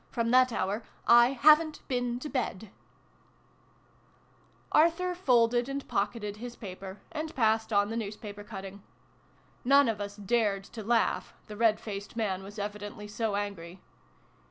From that hour I haven t been to bed !" Arthur folded and pocketed his paper, and passed on the newspaper cutting. None of us dared to laugh, the red faced man was evidently so angry.